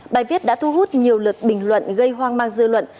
bài viết đã thu hút nhiều lượt bình luận gây hoang mang dư luận